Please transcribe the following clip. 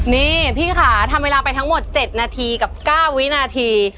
นี่พี่ค่ะทำเวลาไปทั้งหมด๗นาทีกับ๙วินาที